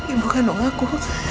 ibu kandung aku